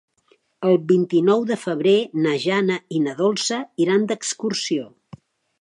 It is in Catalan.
El vint-i-nou de febrer na Jana i na Dolça iran d'excursió.